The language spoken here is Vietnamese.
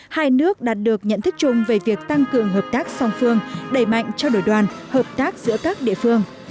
hai nước đạt được nhận thức chung về việc tăng cường hợp tác song phương đẩy mạnh cho đổi đoàn hợp tác giữa các địa phương